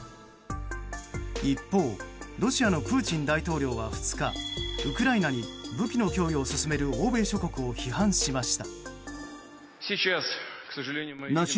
一方ロシアのプーチン大統領は２日ウクライナに武器の供与を進める欧米諸国を批判しました。